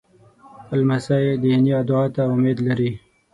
لمسی د نیا دعا ته امید لري.